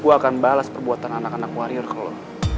gue akan balas perbuatan anak anak warrior ke lo